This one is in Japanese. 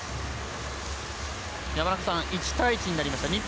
山中さん１対１になりました。